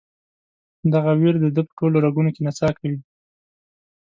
دغه ویر د ده په ټولو رګونو کې نڅا کوي.